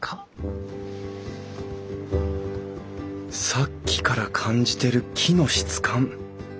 さっきから感じてる木の質感